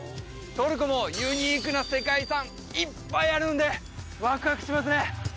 トルコもユニークな世界遺産いっぱいあるんでわくわくしますね